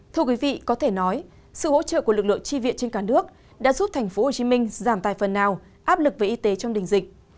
thưa quý vị có thể nói sự hỗ trợ của lực lượng tri viện trên cả nước đã giúp tp hcm giảm tài phần nào áp lực về y tế trong đình dịch